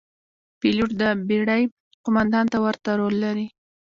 پیلوټ د بېړۍ قوماندان ته ورته رول لري.